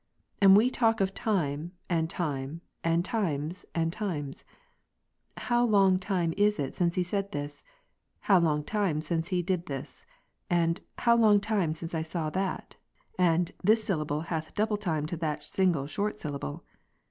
And we talk of time, and time, and times, and times, " How long time is it since he said this ;"" how long time since he did this ;" and " how long time since I saw that ;" and " this syllable hath double time to that single short syllable."